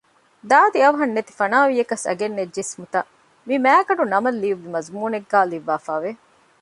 ދާދި އަވަހަށް ނެތިފަނާވިޔަކަސް އަގެއްނެތް ޖިސްމުތައް މި މައިގަނޑުނަމަށް ލިޔުއްވި މަޒުމޫނެއްގައި ލިޔުއްވާފައިވެ